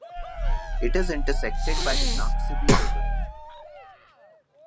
It is intersected by the Noxubee River.